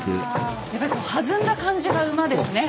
やっぱりこう弾んだ感じが馬ですね。